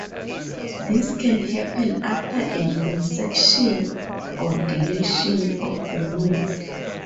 This can happen after an insertion or deletion of a node.